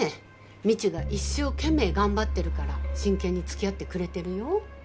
未知が一生懸命頑張ってるから真剣につきあってくれてるよ。